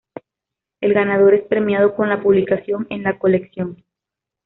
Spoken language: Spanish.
El ganador es premiado con la publicación en la colección.